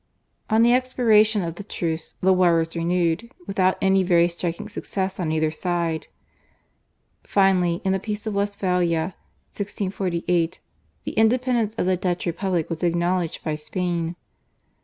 On the expiration of the truce the war was renewed without any very striking success on either side. Finally in the Peace of Westphalia (1648) the independence of the Dutch republic was acknowledged by Spain.